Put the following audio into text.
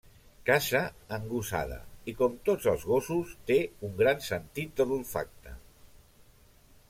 Caça en gossada i, com tots els gossos, té un gran sentit de l'olfacte.